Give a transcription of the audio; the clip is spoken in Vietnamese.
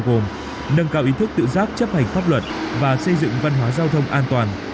gồm nâng cao ý thức tự giác chấp hành pháp luật và xây dựng văn hóa giao thông an toàn